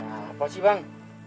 ada apa sih bang